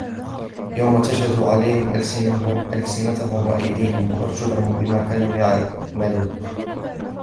يوم تشهد عليهم ألسنتهم وأيديهم وأرجلهم بما كانوا يعملون